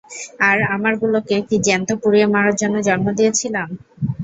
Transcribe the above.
আর আমারগুলোকে কি জ্যান্ত পুড়িয়ে মারার জন্য জন্ম দিয়েছিলাম?